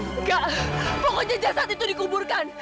enggak pokoknya jasad itu dikuburkan